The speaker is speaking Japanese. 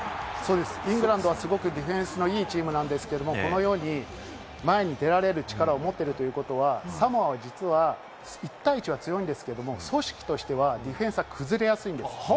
イングランドはすごくディフェンスのいいチームなんですけれど、このように前に出られる力を持っているということは、サモアは実は一対一は強いんですけれど、組織としてはディフェンスは崩れやすいんです。